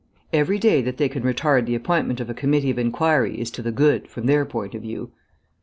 Every day that they can retard the appointment of a committee of inquiry is to the good, from their point of view.